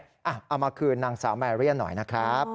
เอามาคืนนางสาวแมเรียหน่อยนะครับ